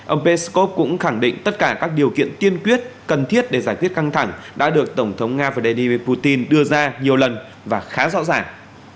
ông peskov cũng khẳng định tất cả các điều kiện tiên quyết cần thiết để giải quyết căng thẳng đã được tổng thống nga vladimir putin đưa ra nhiều lần và khá rõ ràng